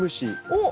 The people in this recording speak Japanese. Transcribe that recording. おっ！